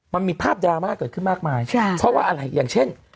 มันมีภาพดราม่าเกิดขึ้นมากมายใช่เพราะว่าอะไรอย่างเช่น